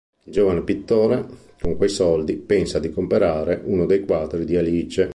Il giovane pittore, con quei soldi, pensa di comperare uno dei quadri di Alice.